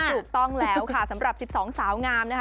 ถูกต้องแล้วค่ะสำหรับ๑๒สาวงามนะคะ